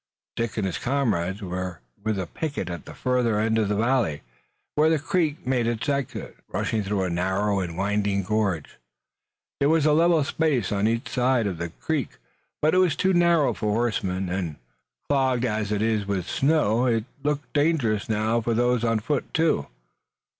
Dick and his comrades were with a picket at the farther end of the valley, where the creek made its exit, rushing through a narrow and winding gorge. There was a level space on either side of the creek, but it was too narrow for horsemen, and, clogged as it was with snow, it looked dangerous now for those on foot too.